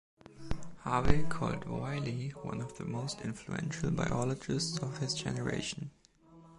Harvard called Wiley one of the most influential biologists of his generation.